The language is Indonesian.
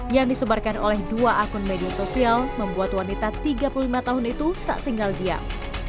yang disebarkan oleh dua akun media sosial membuat wanita tiga puluh lima tahun itu tak tinggal diam